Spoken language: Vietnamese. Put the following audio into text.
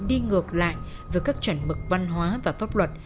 đi ngược lại với các chuẩn mực văn hóa và pháp luật